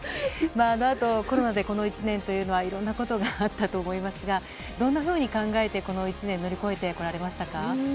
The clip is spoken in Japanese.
あのあと、コロナでこの１年というのはいろんなことがあったと思いますがどんなふうに考えて、この１年を乗り越えてこられましたか？